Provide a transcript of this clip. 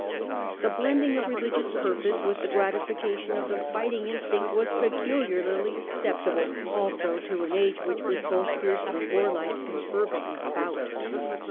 The blending of religious purpose with the gratification of the fighting instinct was peculiarly acceptable, also, to an age which was both fiercely warlike and fervently devout.